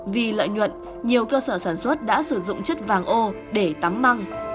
vì lợi nhuận nhiều cơ sở sản xuất đã sử dụng chất vàng ô để tắm măng